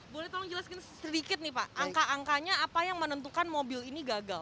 boleh tolong jelaskan sedikit nih pak angka angkanya apa yang menentukan mobil ini gagal